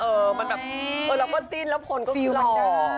เออมันแบบเออเราก็จิ้นแล้วผลก็มี